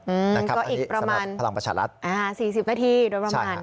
อืมก็อีกประมาณ๔๐นาทีด้วยประมาณ